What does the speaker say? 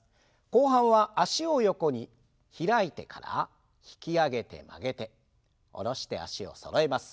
後半は脚を横に開いてから引き上げて曲げて下ろして脚をそろえます。